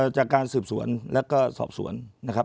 จากการสืบสวนแล้วก็สอบสวนนะครับ